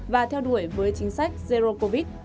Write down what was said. và theo đuổi với chính sách zero core